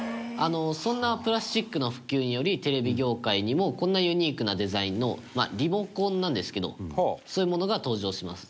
そんなプラスチックの普及によりテレビ業界にもこんなユニークなデザインのリモコンなんですけどそういうものが登場します。